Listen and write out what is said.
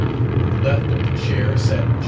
On the left of the chair sat Geo.